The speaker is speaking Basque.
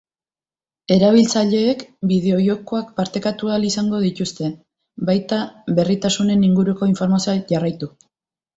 Erabiltzaileek bideo-jokoak partekatu ahal izango dituzte, baita berritasunen inguruko informazioa jarraitu.